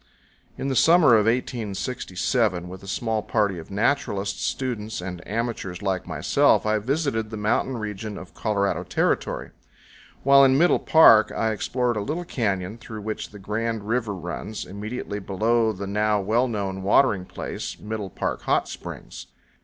IN the summer of 1867, with a small party of naturalists, students, and amateurs like myself, I visited the mountain region of Colorado Territory. While in Middle Park I explored a little canyon through which the Grand River runs, immediately below the now well known watering place, Middle Park Hot Springs.